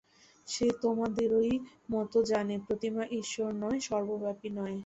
সে তোমাদেরই মত জানে, প্রতিমা ঈশ্বর নয়, সর্বব্যাপী নয়।